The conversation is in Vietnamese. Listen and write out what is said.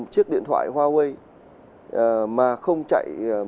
chiếc điện thoại huawei mà không chạy